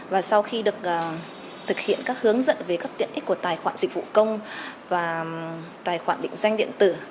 và sau khi được thực hiện các hướng dẫn về các tiện ích của tài khoản dịch vụ công và tài khoản định danh điện tử